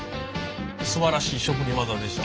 すばらしい職人技でした。